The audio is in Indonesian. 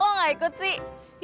lo gak ikut sih